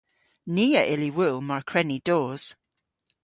Ni a yll y wul mar kwren ni dos.